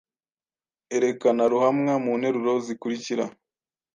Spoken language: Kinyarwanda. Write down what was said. Erekana ruhamwa mu nteruro zikurikira: